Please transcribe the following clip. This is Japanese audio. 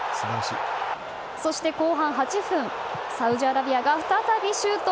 そして、後半８分サウジアラビアが再びシュート。